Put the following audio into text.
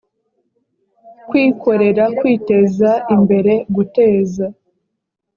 kwikorera kwiteza imbere guteza